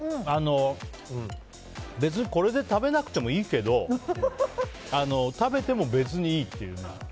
別にこれで食べなくてもいいけど食べても別にいいっていうね。